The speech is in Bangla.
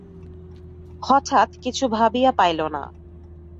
হঠাৎ কিছুই ভাবিয়া পাইল না।